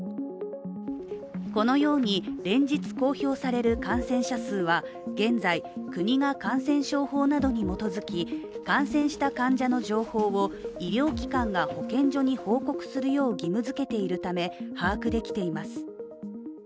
このように連日公表される感染者数は現在、国が感染症法などに基づき感染した患者の情報を医療機関が保健所に報告するよう義務づけているため把握できています。